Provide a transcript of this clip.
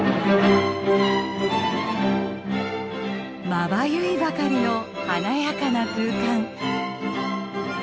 まばゆいばかりの華やかな空間。